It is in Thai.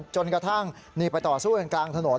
จนกระทั่งนี่ไปต่อสู้กันกลางถนน